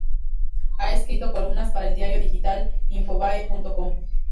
Ha escrito columnas para el diario digital Infobae.com.